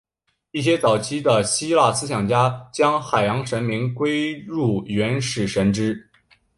一些早期的希腊思想家将海洋神明归入原始神只。